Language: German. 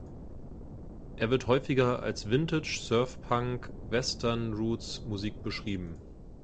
Er wird häufiger als Vintage-Surf-Punk-Western-Roots Musik beschrieben.